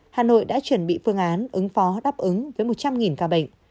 hà nội đã chuẩn bị phương án ứng phó đáp ứng với một trăm linh ca bệnh